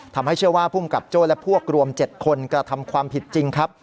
ทำให้เชื่อว่าภูมิกับโจ้และพวกรวม๗คนกระทำความผิดจริงครับ